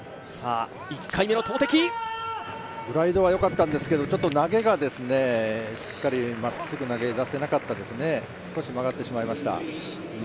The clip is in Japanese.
グライドはよかったですけど、投げがまっすぐ投げ出せなかったですね、少し曲がってしまいました。